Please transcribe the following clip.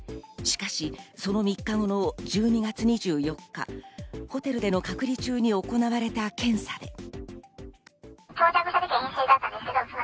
しかしその３日後の１２月２４日、ホテルでの隔離中に行われた検査で。